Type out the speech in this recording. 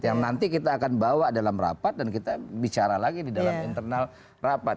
yang nanti kita akan bawa dalam rapat dan kita bicara lagi di dalam internal rapat